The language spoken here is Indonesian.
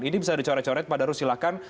ini bisa dicoret coret pak darul silahkan